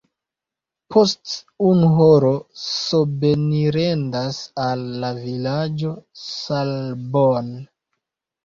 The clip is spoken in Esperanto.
Post unu horo sobenirendas al la vilaĝo Saalborn.